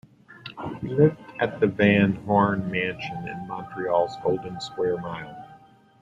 He lived at the Van Horne Mansion in Montreal's Golden Square Mile.